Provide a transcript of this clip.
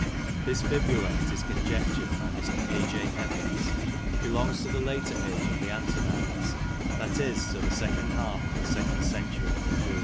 This fibula, it is conjectured by Mr. A. J. Evans, belongs to the later age of the Antonines i.e., to the second half of the second century A.